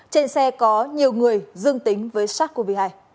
trên xe có nhiều người dương tính với sars cov hai